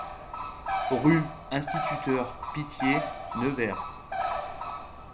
Rue Instituteur Pittié, Nevers